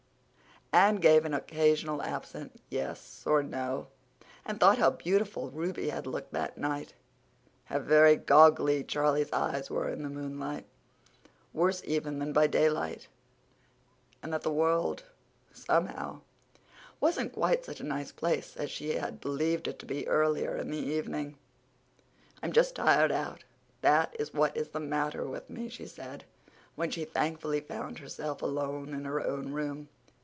Anne gave an occasional absent "yes" or "no," and thought how beautiful Ruby had looked that night, how very goggly Charlie's eyes were in the moonlight—worse even than by daylight—and that the world, somehow, wasn't quite such a nice place as she had believed it to be earlier in the evening. "I'm just tired out—that is what is the matter with me," she said, when she thankfully found herself alone in her own room.